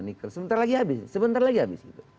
nikel sebentar lagi habis sebentar lagi habis gitu